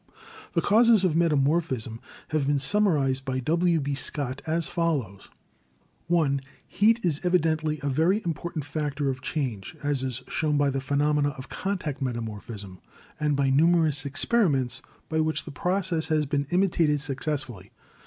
The causes of metamorphism have been summarized by W. B. Scott as follows: "1. Heat is evidently a very important factor of change, as is shown by the phenomena of contact metamorphism and by numerous experiments by which the process has been imitated successfully.